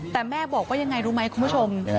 แต่แม่บอกว่ายังไงรู้ไหมคุณผู้ชม